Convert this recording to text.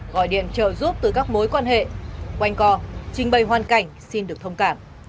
gọi điện trợ giúp từ các mối quan hệ quanh cò trình bày hoan cảnh xin được thông cảm